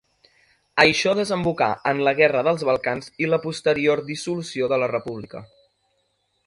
Això desembocà en la Guerra dels Balcans i la posterior dissolució de la República.